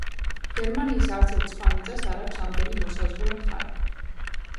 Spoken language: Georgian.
გერმანიის არცერთ სხვა მიწას არ აქვს ამდენი მოსაზღვრე მხარე.